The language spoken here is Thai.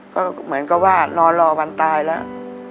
ก็เหมือนกับว่านอนรอวันตายแล้ว